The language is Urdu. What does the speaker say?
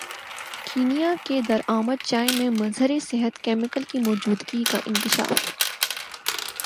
کینیا سے درامد چائے میں مضر صحت کیمیکل کی موجودگی کا انکشاف